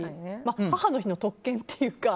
母の日の特権というか。